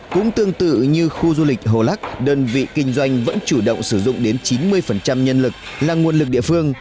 cũng tương tự như khu du lịch hồ lắc đơn vị kinh doanh vẫn chủ động sử dụng đến chín mươi nhân lực là nguồn lực địa phương